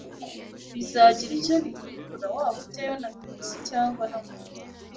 Bizagira icyo bihindura waba ujyayo na tagisi cyangwa n'amaguru.